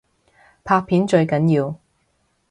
拍片最緊要